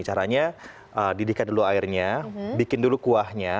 caranya didihkan dulu airnya bikin dulu kuahnya